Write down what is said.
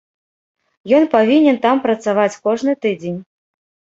Ён павінен там працаваць кожны тыдзень.